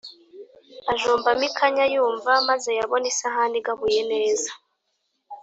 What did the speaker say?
ajombamo ikanya yumva maze yabona isahani igabuye neza